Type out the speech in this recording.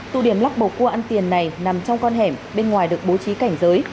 tụ điểm lắc bầu cua ăn tiền này nằm trong con hẻm bên ngoài được bố trí cảnh giới